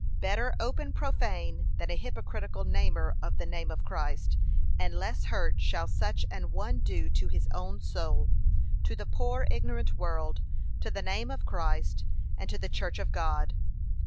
Better open profane than a hypocritical namer of the name of Christ; and less hurt shall such an one do to his own soul, to the poor ignorant world, to the name of Christ, and to the church of God.